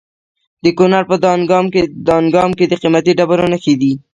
د کونړ په دانګام کې د قیمتي ډبرو نښې دي.